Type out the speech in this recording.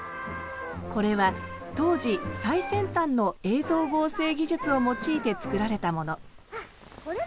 これは当時最先端の映像合成技術を用いて作られたもの。